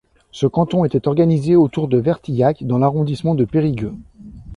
Ce canton était organisé autour de Verteillac dans l'arrondissement de Périgueux.